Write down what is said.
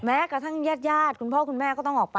แม้กระทั่งญาติคุณพ่อคุณแม่ก็ต้องออกไป